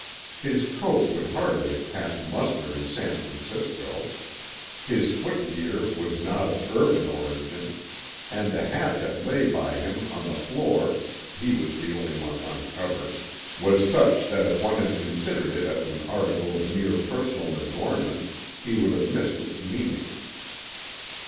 His coat would hardly have passed muster in San Francisco; his foot gear was not of urban origin, and the hat that lay by him on the floor (he was the only one uncovered) was such that if one had considered it as an article of mere personal adornment he would have missed its meaning.